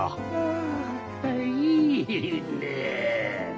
あいいねえ。